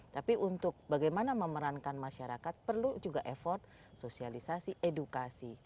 tapi untuk bagaimana memerankan masyarakat perlu juga effort sosialisasi edukasi